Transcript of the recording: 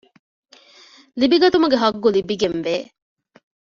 ލިބިގަތުމުގެ ޙައްޤު ލިބިގެން ވޭ